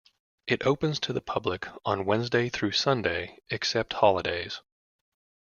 It opens to public on Wednesday through Sunday except holidays.